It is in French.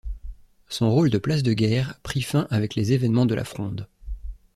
Son rôle de place de guerre prit fin avec les événements de la Fronde.